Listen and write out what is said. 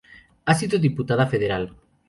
Ha sido Diputada Federal.